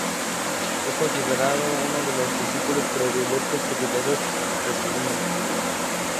Es considerado uno de sus discípulos predilectos y seguidores de su línea.